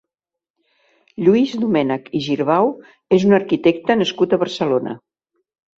Lluís Domènech i Girbau és un arquitecte nascut a Barcelona.